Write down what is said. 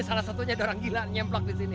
salah satunya orang gila nyemplak di sini